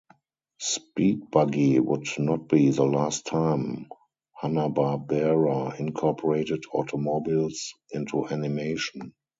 "Speed Buggy" would not be the last time Hanna-Barbera incorporated automobiles into animation.